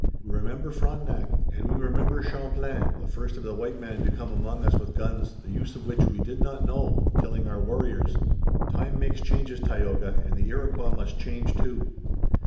We remember Frontenac, and we remember Champlain, the first of the white men to come among us with guns, the use of which we did not know, killing our warriors.'" "Time makes changes, Tayoga, and the Iroquois must change too."